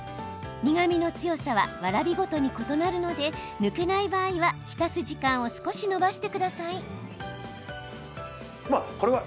苦みの強さはわらびごとに異なるので抜けない場合は浸す時間を少し延ばしてください。